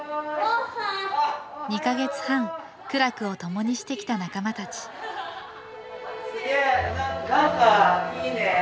２か月半苦楽を共にしてきた仲間たちすげなんかいいね。